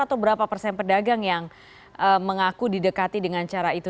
atau berapa persen pedagang yang mengaku didekati dengan cara itu